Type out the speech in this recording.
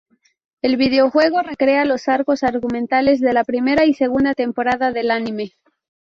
El videojuego recrea los arcos argumentales de la primera y segunda temporada del anime.